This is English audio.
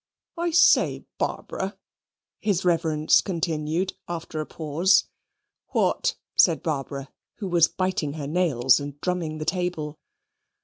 "I say, Barbara," his reverence continued, after a pause. "What?" said Barbara, who was biting her nails, and drumming the table.